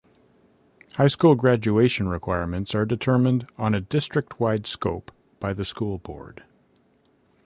High school graduation requirements are determined on a district-wide scope by the School Board.